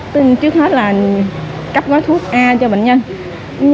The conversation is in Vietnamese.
tin trước hết là cấp gói thuốc a cho bệnh nhân